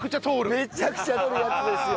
めちゃくちゃ通るやつですよ。